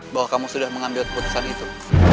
bahwa kamu sudah mengambil keputusan itu